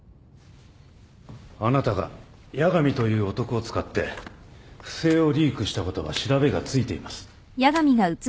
あなたが八神という男を使って不正をリークしたことは調べがついています。